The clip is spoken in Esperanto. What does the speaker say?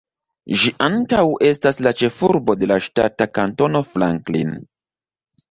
Ĝi ankaŭ estas la ĉefurbo de la ŝtata Kantono Franklin.